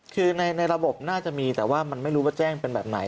คือในระบบน่าจะมีแต่ว่ามันไม่รู้ว่าแจ้งเป็นแบบไหน